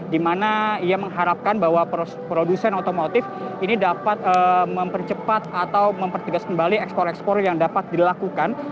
di mana ia mengharapkan bahwa produsen otomotif ini dapat mempercepat atau mempertegas kembali ekspor ekspor yang dapat dilakukan